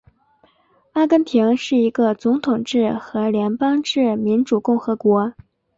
阿根廷是一个总统制和联邦制民主共和国。